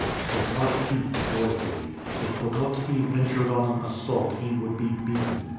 His heart beat joyfully. If Pototski ventured on an assault he would be betiten.